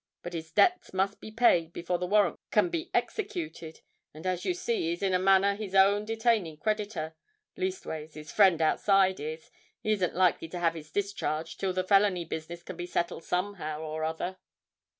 But his debts must be paid before the warrant can be executed; and as you see he's in a manner his own detaining creditor—leastways, his friend outside is—he isn't likely to have his discharge till the felony business can be settled somehow or other."